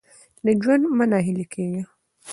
د ژونده مه نا هیله کېږه !